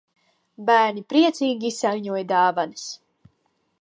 Bērni priecīgi izsaiņoja dāvanas.